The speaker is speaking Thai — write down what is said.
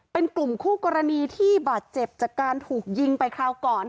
เป็นกลุ่มคู่กรณีที่บาดเจ็บจากการถูกยิงไปคราวก่อน